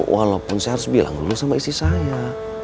walaupun saya harus bilang dulu sama istri saya